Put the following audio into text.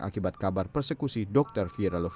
akibat kabar persekusi dokter yang menyebutkan kemampuan